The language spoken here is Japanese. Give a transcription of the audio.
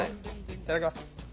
いただきます。